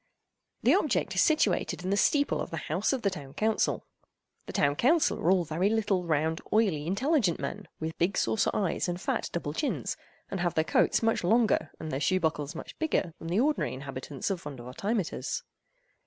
This object is situated in the steeple of the House of the Town Council. The Town Council are all very little, round, oily, intelligent men, with big saucer eyes and fat double chins, and have their coats much longer and their shoe buckles much bigger than the ordinary inhabitants of Vondervotteimittiss.